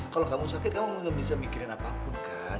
kalau kamu sakit kamu gak bisa mikirin apapun kan